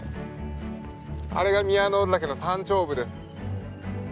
あれが宮之浦岳の山頂部です。